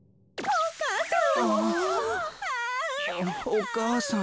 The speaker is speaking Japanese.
お母さん。